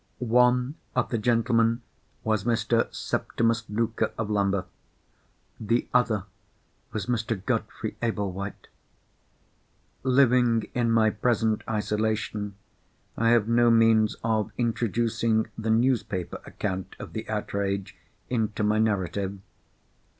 One of the gentlemen was Mr. Septimus Luker, of Lambeth. The other was Mr. Godfrey Ablewhite. Living in my present isolation, I have no means of introducing the newspaper account of the outrage into my narrative.